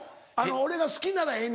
俺が好きならええねやろ？